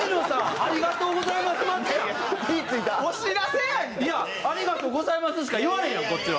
「ありがとうございます」しか言われへんやんこっちは。